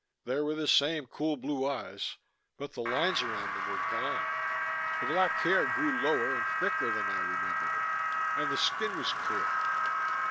There were the same cool blue eyes, but the lines around them were gone. The black hair grew lower and thicker than I remembered it, and the skin was clear.